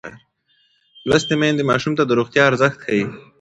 لوستې میندې ماشوم ته د روغتیا ارزښت ښيي.